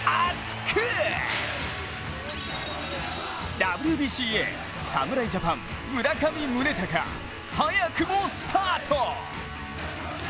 ＷＢＣへ侍ジャパン、村上宗隆早くもスタート。